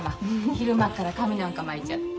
昼間っから髪なんか巻いちゃって。